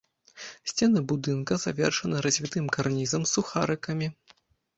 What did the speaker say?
Сцены будынка завершаны развітым карнізам з сухарыкамі.